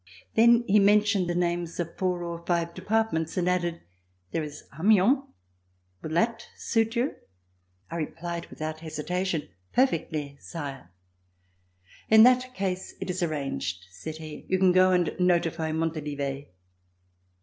Then he mentioned the names of four or five de partments and added: "There is Amiens. Will that suit you?" I replied without hesitation: "Perfectly, Sire." "In that case, it is arranged," said he. "You can go and notify Montalivet."